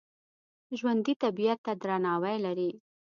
ژوندي طبیعت ته درناوی لري